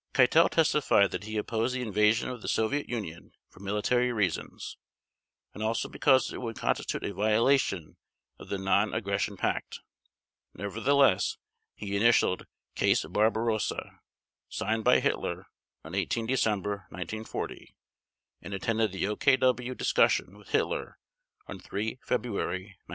Keitel testified that he opposed the invasion of the Soviet Union for military reasons, and also because it would constitute a violation of the Non aggression Pact. Nevertheless he initialed "Case Barbarossa," signed by Hitler on 18 December 1940, and attended the OKW discussion with Hitler on 3 February 1941.